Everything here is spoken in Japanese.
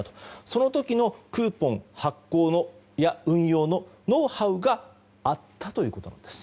その時のクーポン発行や運用のノウハウがあったということなんです。